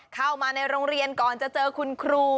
เข้ามาในโรงเรียนก่อนจะเจอคุณครู